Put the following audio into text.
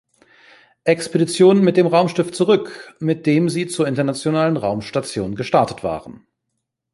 Expedition mit dem Raumschiff zurück, mit dem sie zur Internationalen Raumstation gestartet waren.